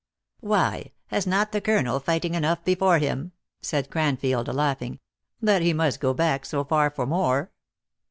" Why, has not the colonel fighting enough before him," said Cranfield, laughing, " that he must go back so far for more